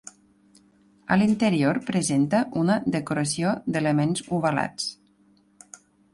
A l'interior presenta una decoració d'elements ovalats.